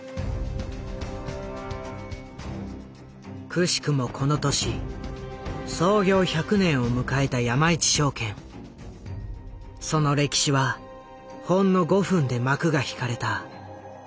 奇しくもこの年創業１００年を迎えた山一証券その歴史はほんの５分で幕が引かれた。